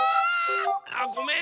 あごめん。